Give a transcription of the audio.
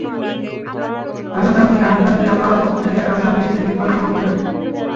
রাজা তার দিকে হাত বাড়াতেই আল্লাহর পক্ষ থেকে এক আযাব এসে তাকে পাকড়াও করে।